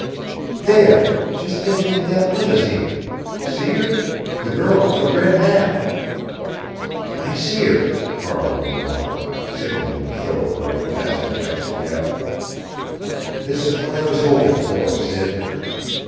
"There just getting into that limousine. See her? The girl with the red hat!" "I see her," Farland replied, signaling the chauffeur of a passing taxicab. "This is what I was hoping for, Sid.